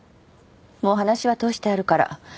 もう話は通してあるから。